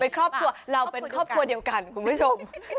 เป็นครอบครัวเราเป็นครอบครัวเดียวกันคุณผู้ชม